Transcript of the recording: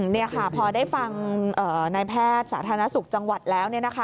นี่ค่ะพอได้ฟังนายแพทย์สาธารณสุขจังหวัดแล้ว